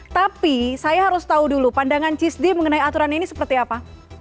tapi saya harus tahu dulu pandangan cisdi mengenai aturan ini seperti apa